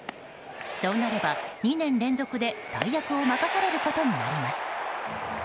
そうなれば２年連続で大役を任されることになります。